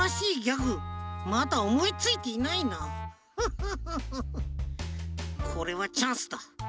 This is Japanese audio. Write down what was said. フッフッフッフッフこれはチャンスだ。